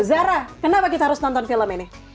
zara kenapa kita harus nonton film ini